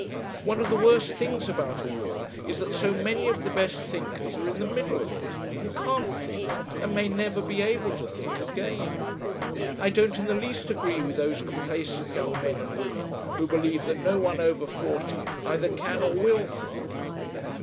One of the worst things about a war is that so many of the best thinkers are in the middle of it, and can't think, and may never be able to think again. I don't in the least agree with those complacent young men and women who believe that no one over forty either can or will think.